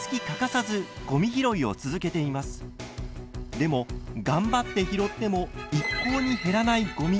でも頑張って拾っても一向に減らないごみ。